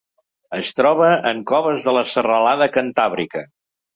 Es troba en coves de la serralada Cantàbrica.